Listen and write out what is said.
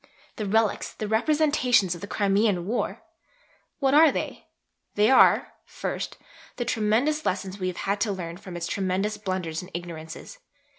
The 'relics,' the 'representations' of the Crimean War! What are they? They are, first, the tremendous lessons we have had to learn from its tremendous blunders and ignorances.